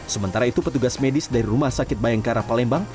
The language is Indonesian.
sementara itu petugas medis dari rumah sakit bayangkara palembang